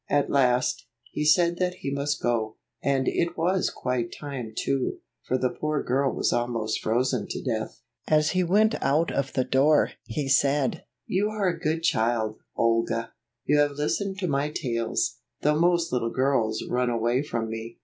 At last, he said that he must go, and it was quite time too, for the poor girl was almost frozen to death. As he went out of the door, he said, "You are a good child, Olga. You have listened to my tales, though most little girls run away from me.